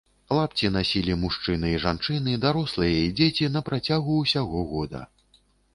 Лапці насілі мужчыны і жанчыны, дарослыя і дзеці на працягу ўсяго года.